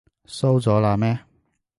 收咗喇咩？